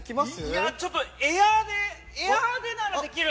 ◆いや、ちょっと、エアーで、なら、できる。